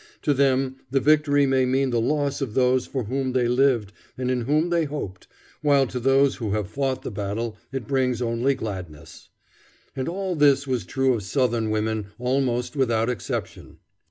To them the victory may mean the loss of those for whom they lived and in whom they hoped, while to those who have fought the battle it brings only gladness. And all this was true of Southern women almost without exception.